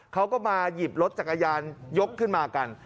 เขาก็มาหยิบรถจักรยานยกขึ้นมากัน